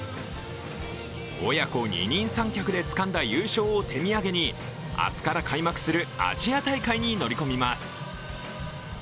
親子二人三脚でつかんだ優勝を手土産に明日から開幕するアジア大会に乗り込みます。